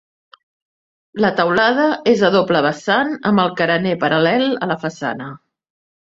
La teulada és a doble vessant amb el carener paral·lel a la façana.